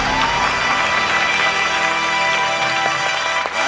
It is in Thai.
ขอบคุณครับ